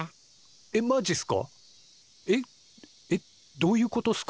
どういうことっすか？